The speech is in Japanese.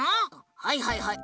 はいはいはい。